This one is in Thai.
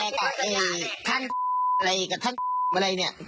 แล้วจริงแล้วว่าแกกับไอ้ท่านอะไรกับท่านอะไรเนี่ย